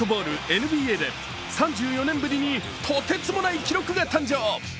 ＮＢＡで３４年ぶりに、とてつもない記録が誕生。